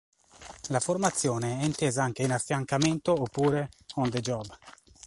La formazione è intesa anche in affiancamento oppure "on the job".